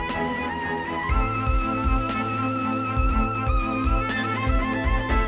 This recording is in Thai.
ทุกคนพร้อมแล้วขอเสียงปลุ่มมือต้อนรับ๑๒สาวงามในชุดราตรีได้เลยค่ะ